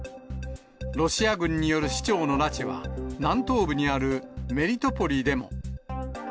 ロシア軍による市長の拉致は、南東部にあるメリトポリでも。